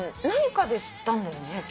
何かで知ったんだよね？